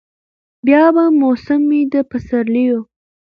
بیا به موسم وي د پسرلیو